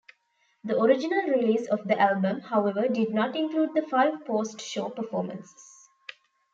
The original release of the album, however, did not include the five post-show performances.